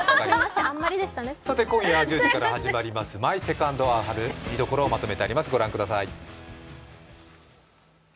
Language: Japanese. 今夜１０時から始まります「マイ・セカンド・アオハル」、見どころをまとめてあります、ご覧ください。